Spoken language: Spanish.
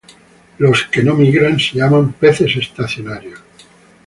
Los que no migran se llaman peces estacionarios.